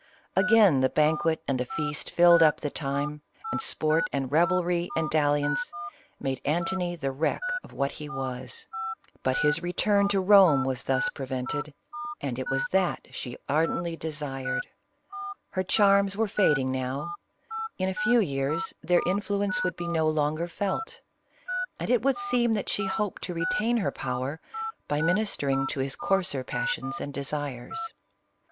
Again the banquet and the feast filled up the time ; and sport, and revelry, and dalliance, made Antony the wreck of what he was. But his return to Rome was thus prevented, and it CLEOPATRA. 45 was that she ardently desired. Her charms were fad ing now ; in a few years their influence would be no longer felt ; and it would seem, that she hoped to re tain her power, by ministering to his coarser passions and desires.